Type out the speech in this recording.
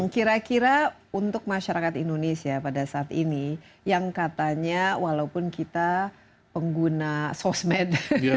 kira kira untuk masyarakat indonesia pada saat ini yang katanya walaupun kita pengguna sosmed